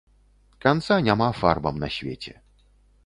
Канца няма фарбам на свеце.